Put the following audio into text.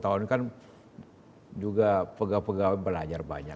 dua puluh tahun kan juga pegawai pegawai belajar banyak